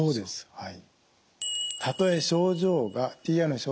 はい。